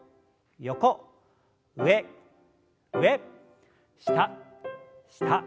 上上下下。